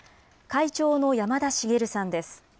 会長の山田茂さんです。